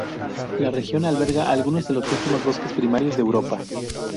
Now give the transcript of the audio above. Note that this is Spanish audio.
La región alberga algunos de los últimos bosques primarios de Europa.